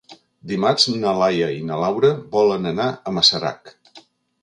Dimarts na Laia i na Laura volen anar a Masarac.